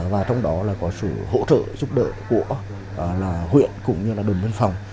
và trong đó có sự hỗ trợ giúp đỡ của huyện cũng như đồn biên phòng